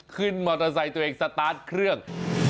ขึ้นมอเตอร์ไซค์ตัวเองสตาร์ทเครื่อง